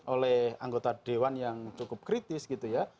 oleh anggota dewan yang cukup kritis gitu ya